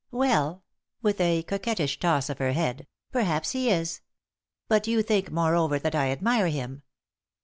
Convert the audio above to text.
"Well," with a coquettish toss of her head, "perhaps he is. But you think, moreover, that I admire him.